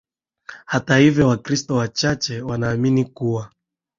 Hata hivyo Wakristo wachache wanaamini kuwa